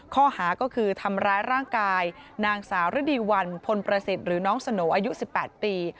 ข้อหาก็คือทำร้ายร่างกายนางสาวฤดีวันพลประสิทธิ์หรือน้องสโนอายุ๑๘ปี